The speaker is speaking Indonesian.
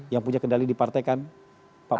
yang punya kendali di partai kan pak